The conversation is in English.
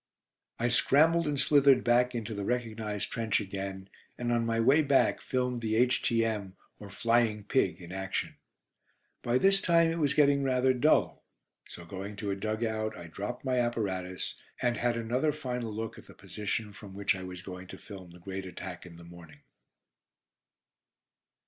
I scrambled and slithered back into the recognised trench again, and on my way back filmed the H.T.M., or "Flying Pig," in action. By this time it was getting rather dull, so going to a dug out, I dropped my apparatus, and had another final look at the position from which I was going to film the great attack in the morning.